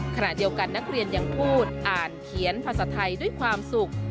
ขณะเดียวกันนักเรียนยังพูดอ่านเขียนภาษาไทยด้วยความสุข